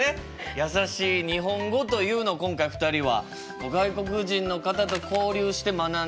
やさしい日本語というのを今回２人は外国人の方と交流して学んできたっていうことですよね。